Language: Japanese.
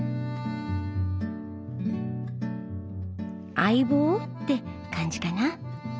相棒って感じかな。